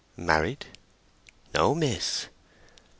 "Married?" "No, miss."